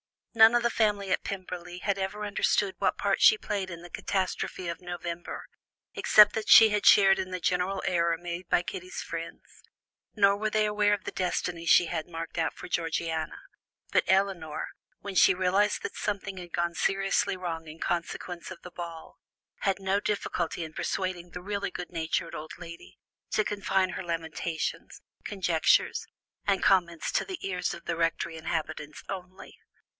None of the family at Pemberley had ever understood what part she played in the catastrophe of November, except that she had shared in the general error made by Kitty's friends, nor were they aware of the destiny she had marked out for Georgiana; but Elinor, when she realized that something had gone seriously wrong in consequence of the ball, had no difficulty in persuading the really good natured old lady to confine her lamentations, conjectures, and comments to the ears of the Rectory inhabitants only.